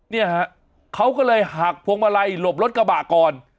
เนี่ยฮะเขาก็เลยหักพวงมาลัยหลบรถกระบะก่อน